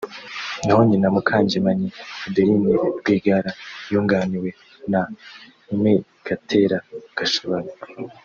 naho nyina Mukangemanyi Adeline Rwigara yunganiwe na Me Gatera Gashabana